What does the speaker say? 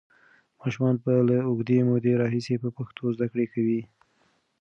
ماشومان به له اوږدې مودې راهیسې په پښتو زده کړه کوي.